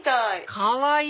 かわいい！